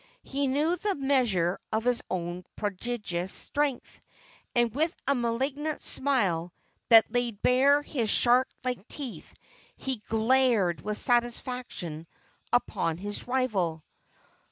He knew the measure of his own prodigious strength, and, with a malignant smile that laid bare his shark like teeth, he glared with satisfaction upon his rival.